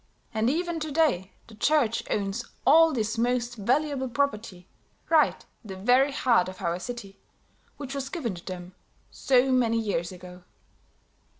And even to day the Church owns all this most valuable property, right in the very heart of our city, which was given to them so many years ago."